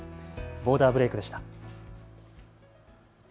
ボーダーブレイクでした。